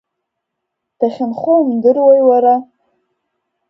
Дахьынхо умдыруеи, уара?